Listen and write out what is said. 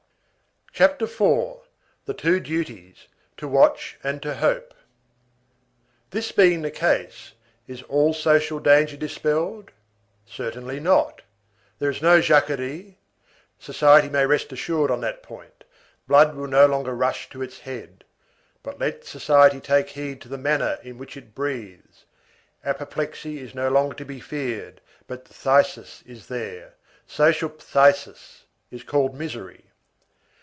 CHAPTER IV—THE TWO DUTIES: TO WATCH AND TO HOPE This being the case, is all social danger dispelled? Certainly not. There is no Jacquerie; society may rest assured on that point; blood will no longer rush to its head. But let society take heed to the manner in which it breathes. Apoplexy is no longer to be feared, but phthisis is there. Social phthisis is called misery.